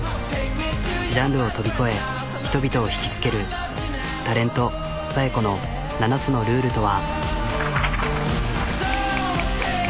ジャンルを飛び越え人々を引き付けるタレント紗栄子の７つのルールとは。